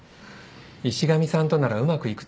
石上さんとならうまくいくと思うんです。